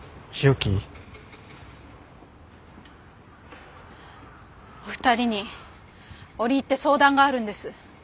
お二人に折り入って相談があるんです。